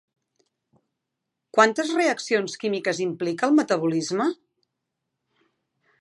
Quantes reaccions químiques implica el metabolisme?